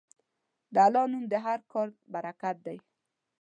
د الله نوم د هر کار برکت دی.